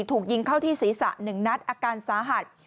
ถูกยิงเข้าที่ศีรษะ๑นัดอาการสาหัส